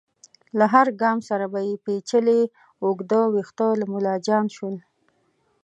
له هر ګام سره به يې پيچلي اوږده ويښته له ملا جلا شول.